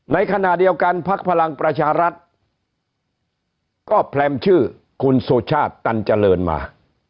ในขณะเดียวกันพักพลังประชารัฐก็แพรมชื่อคุณสุชาติตันเจริญมา